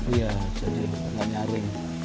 iya jadi nggak nyaring